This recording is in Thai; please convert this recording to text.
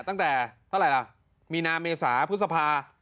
ตั้งแต่เท่าไหร่ล่ะมีนาเมษาพฤษภา